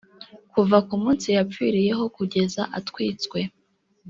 Kuva ku munsi yapfiriyeho kugeza atwitswe